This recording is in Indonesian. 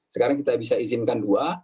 sekarang kita bisa izinkan dua